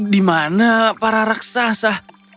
di mana para raksasa